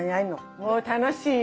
もう楽しいよ。